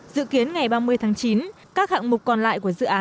dự kiến ngày ba mươi tháng chín các hạng mục còn lại của dự án sẽ được thay đổi